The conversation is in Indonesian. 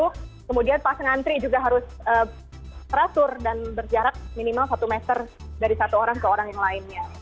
kemudian pas ngantri juga harus teratur dan berjarak minimal satu meter dari satu orang ke orang yang lainnya